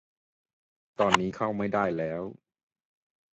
ตอนนี้เข้าไม่ได้แล้ว